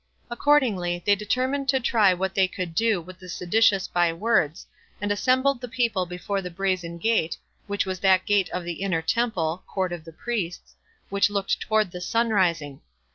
Accordingly, they determined to try what they could do with the seditious by words, and assembled the people before the brazen gate, which was that gate of the inner temple [court of the priests] which looked toward the sun rising.